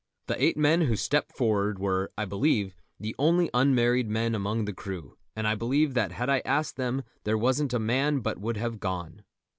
The eight men who stepped forward were, I believe, the only unmarried men among the crew, and I believe that had I asked them there wasn't a man but would have gone.